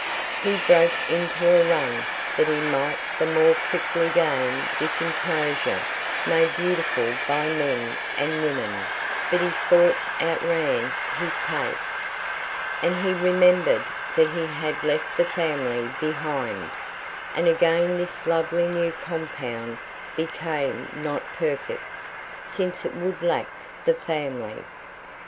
He broke into a run that he might the more quickly gain this inclosure made beautiful by men and women; but his thoughts outran his pace, and he remembered that he had left the family behind, and again this lovely new compound became not perfect, since it would lack the family.